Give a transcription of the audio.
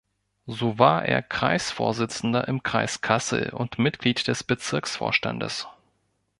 So war er Kreisvorsitzender im Kreis Kassel und Mitglied des Bezirksvorstandes.